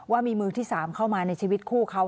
ว่ามีมือที่๓เข้ามาในชีวิตคู่เขา